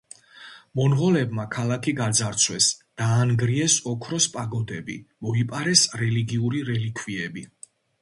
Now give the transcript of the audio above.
მონღოლებმა ქალაქი გაძარცვეს, დაანგრიეს ოქროს პაგოდები, მოიპარეს რელიგიური რელიქვიები.